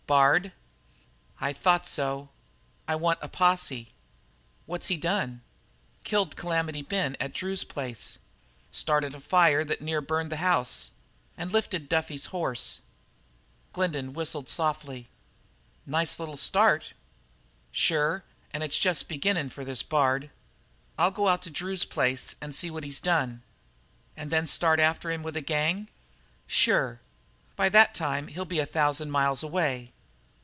"Bard." "I thought so." "I want a posse." "What's he done?" "Killed Calamity Ben at Drew's place, started a fire that near burned the house, and lifted Duffy's hoss." Glendin whistled softly. "Nice little start." "Sure, and it's just a beginnin' for this Bard." "I'll go out to Drew's place and see what he's done." "And then start after him with a gang?" "Sure." "By that time he'll be a thousand miles away."